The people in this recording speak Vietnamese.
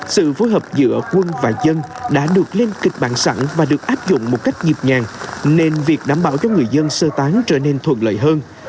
sự phối hợp giữa quân và dân đã được lên kịch bản sẵn và được áp dụng một cách nhịp nhàng nên việc đảm bảo cho người dân sơ tán trở nên thuận lợi hơn